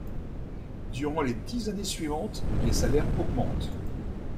Durant les dix années suivantes, les salaires augmentent.